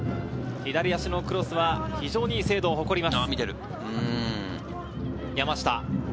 左足のクロスは非常にいい精度を誇ります。